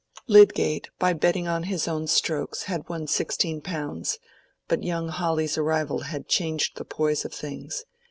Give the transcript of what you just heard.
Lydgate, by betting on his own strokes, had won sixteen pounds; but young Hawley's arrival had changed the poise of things.